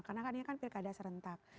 karena kan pilkada serentak